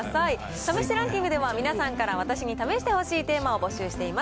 試してランキングでは、皆さんから私に試してほしいテーマを募集しています。